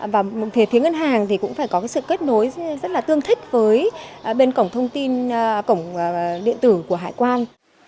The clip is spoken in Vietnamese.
và về phía ngân hàng thì cũng phải có sự kết nối rất là tương thích với bên cổng thông tin cổng điện tử của hải quan